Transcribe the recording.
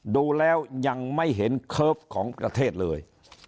ดูแล้วยังไม่เห็นเคิร์ฟของประเทศเลย